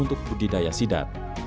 untuk budidaya sidat